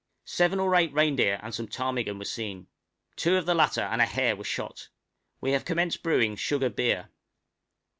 Seven or eight reindeer and some ptarmigan were seen; two of the latter and a hare were shot. We have commenced brewing sugar beer.